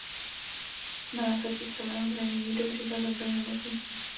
Na následky střelného zranění do břicha zemřel v nemocnici.